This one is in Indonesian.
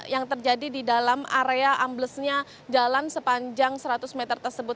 yang terjadi di dalam area amblesnya jalan sepanjang seratus meter tersebut